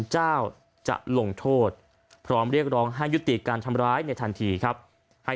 เจ้าจะลงโทษพร้อมเรียกร้องให้ยุติการทำร้ายในทันทีครับให้